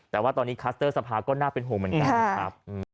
แต่ว่าตอนนี้คัสเตอร์สภาก็น่าเป็นห่วงเหมือนกันนะครับ